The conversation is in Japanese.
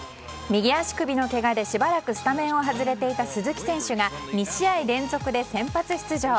右足首のけがでしばらくスタメンを離れていた鈴木選手が２試合連続で先発出場。